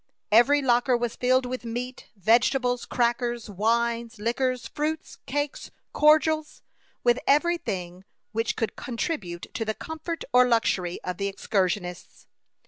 Every locker was filled with meat, vegetables, crackers, wines, liquors, fruits, cakes, cordials with every thing which could contribute to the comfort or luxury of the excursionists.